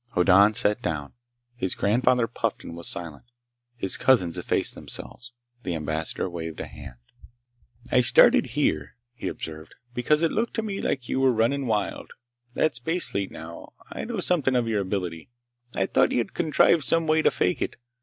Hoddan sat down. His grandfather puffed and was silent. His cousins effaced themselves. The Ambassador waved a hand. "I started here," he observed, "because it looked to me like you were running wild. That spacefleet, now ... I know something of your ability. I thought you'd contrived some way to fake it.